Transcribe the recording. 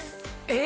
え！